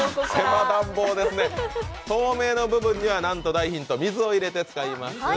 透明な部分にはなんと大ヒント水を入れて使います。